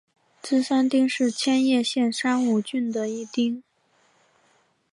芝山町是千叶县山武郡的一町。